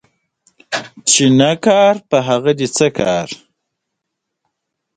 طبیعت د ذهني فشار کمولو کې مرسته کوي.